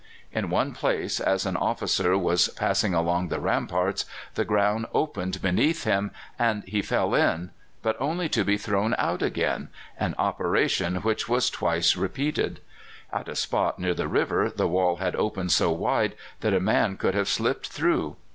In one place, as an officer was passing along the ramparts, the ground opened beneath him, and he fell in, but only to be thrown out again an operation which was twice repeated. At a spot near the river the wall had opened so wide that a man could have slipped through.